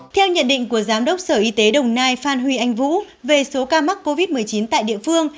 theo nhận định của giám đốc sở y tế đồng nai phan huy anh vũ về số ca mắc covid một mươi chín tại địa phương